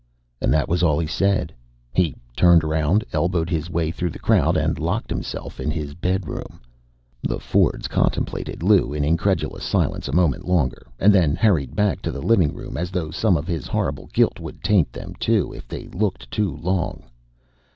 And that was all he said. He turned around, elbowed his way through the crowd and locked himself in his bedroom. The Fords contemplated Lou in incredulous silence a moment longer, and then hurried back to the living room, as though some of his horrible guilt would taint them, too, if they looked too long.